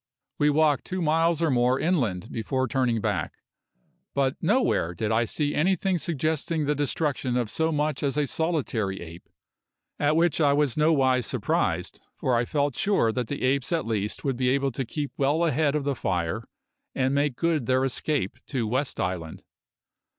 We walked two miles or more inland before turning back, but nowhere did I see anything suggesting the destruction of so much as a solitary ape, at which I was in nowise surprised, for I felt sure that the apes at least would be able to keep well ahead of the fire, and make good their escape to West Island.